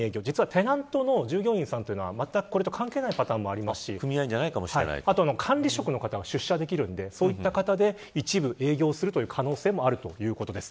テナントの従業員さんはまったく関係がないパターンもありますし管理職の方は出社できますのでそういった方で一部、営業する可能性もあるということです。